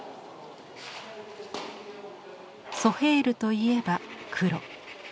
ソヘイルといえば黒。